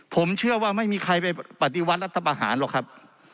ผมเชื่อว่าไม่มีใครไปปฏิวัติรัฐประหารหรอกครับ